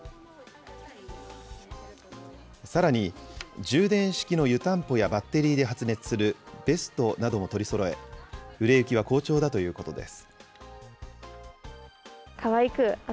さらに、充電式の湯たんぽやバッテリーで発熱するベストなども取りそろえ、売れ行きは好調だということです。